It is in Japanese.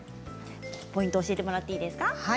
ポイント教えてもらっていいですか？